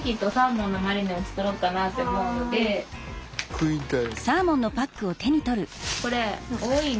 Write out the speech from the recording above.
食いたい。